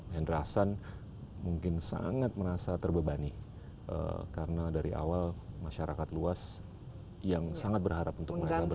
hendra hasan mungkin sangat merasa terbebani karena dari awal masyarakat luas yang sangat berharap untuk mereka